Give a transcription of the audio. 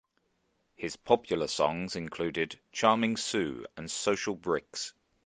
His popular songs included "Charming Sue" and "Social Bricks".